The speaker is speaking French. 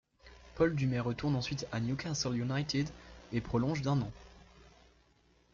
Paul Dummett retourne ensuite à Newcastle United et prolonge d'un an.